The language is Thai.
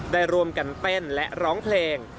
ได้ร่วมกันเต้นและร้องเพลง